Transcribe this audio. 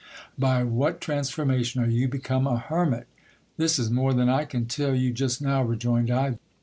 By what transformation are you become a hermit ? This is more than I can tell you just now, rejoined I.